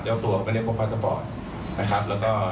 ได้ฟังทะเลก็ไม่ยอมกินเท่าก็เลยส่งมาโรงพยาบาล